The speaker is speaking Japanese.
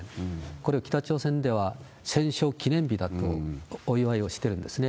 これを北朝鮮では戦勝記念日だとお祝いをしてるんですね。